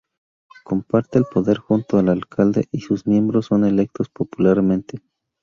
Comparte el poder junto al Alcalde y sus miembros son electos popularmente.